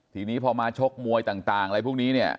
ทีนี้พอมาชกมวยต่างอะไรพวกนี้เนี่ย